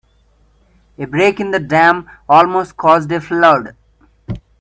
A break in the dam almost caused a flood.